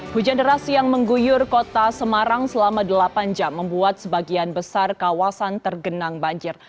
hujan deras yang mengguyur kota semarang selama delapan jam membuat sebagian besar kawasan tergenang banjir